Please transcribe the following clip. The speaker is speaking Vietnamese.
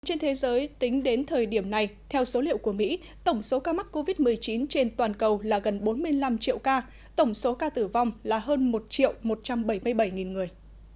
trên thế giới tính đến thời điểm này theo số liệu của mỹ tổng số ca mắc covid một mươi chín trên toàn cầu là gần bốn mươi năm triệu ca tổng số ca tử vong là hơn một một trăm bảy mươi bảy người